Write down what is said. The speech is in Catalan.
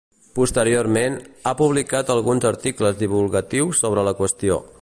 Posteriorment, ha publicat alguns articles divulgatius sobre la qüestió.